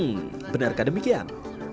hmm benarkah demikian